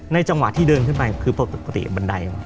จังหวะที่เดินขึ้นไปคือปกติบันได